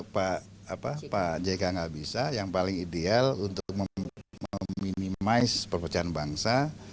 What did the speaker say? pak jk nggak bisa yang paling ideal untuk meminimais perpecahan bangsa